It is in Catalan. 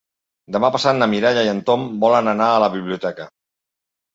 Demà passat na Mireia i en Tom volen anar a la biblioteca.